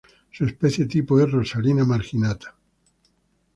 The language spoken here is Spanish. Su especie tipo es "Rosalina marginata".